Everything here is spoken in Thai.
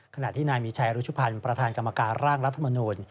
ขนาดที่นายมีชัยอารุชุพรรณประธานกรรมการร่างรัฐมนูญ